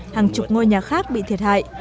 hàng chục ngôi nhà khác bị thiệt hại